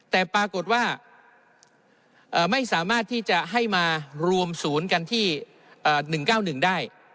แต่ปรากฏว่าไม่สามารถที่จะให้มารวมศูนย์กันที่๑๙๑ได้